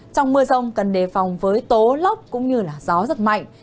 trong mưa rông cần đề phòng với tố lốc cũng như là gió giật mạnh